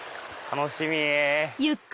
楽しみ！